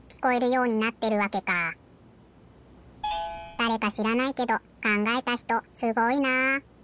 だれかしらないけどかんがえたひとすごいなあ！